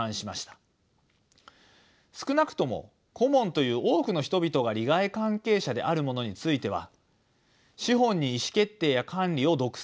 少なくともコモンという多くの人々が利害関係者であるものについては資本に意思決定や管理を独占させてはいけません。